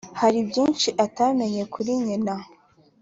hari byinshi atamenya kuri nyina. “